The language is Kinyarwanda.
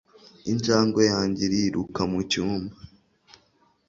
Injangwe yanjye iriruka mucyumba